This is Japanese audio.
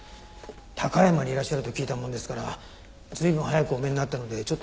高山にいらっしゃると聞いたもんですから随分早くお見えになったのでちょっと驚いております。